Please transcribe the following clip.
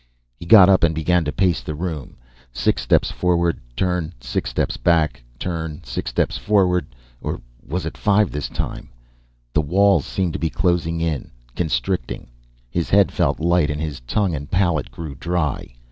He got up and began to pace the room. Six steps forward. Turn. Six steps back. Turn. Six steps forward or was it five this time? The walls seemed to be closing in, constricting. His head felt light and his tongue and palate grew dry.